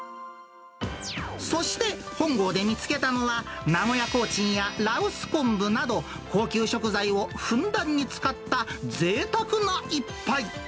そして、本郷で見つけたのは、名古屋コーチンや羅臼昆布など、高級食材をふんだんに使ったぜいたくな一杯。